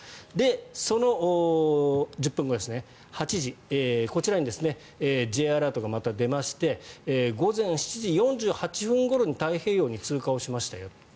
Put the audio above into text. その１０分後、８時こちらにＪアラートがまた出まして午前７時４８分ごろに太平洋に通過しましたよと。